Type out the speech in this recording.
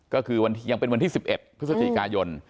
ก็คือยังเป็นวันที่๑๑พฤศจิกายน